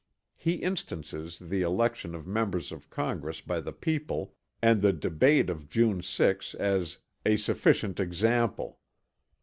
He instances the election of members of Congress by the people, and the debate of June 6 as "a sufficient example."